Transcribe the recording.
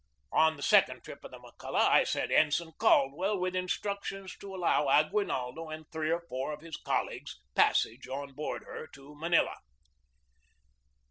On the second trip of the McCulloch I sent Ensign Caldwell, with instruction to allow Aguinaldo and three or four of his colleagues passage on board her to Manila.